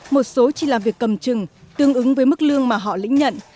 một số chỉ làm việc cầm chừng tương ứng với mức lương mà họ lĩnh nhận